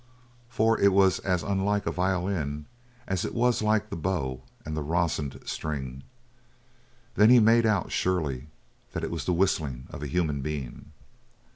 For it was as unlike the violin as it was like the bow and the rosined strings. Then he made out, surely, that it was the whistling of a human being.